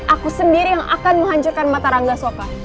aku sendiri yang akan menghancurkan mata rangga soka